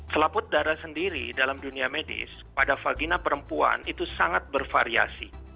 selaput darah sendiri dalam dunia medis pada vagina perempuan itu sangat bervariasi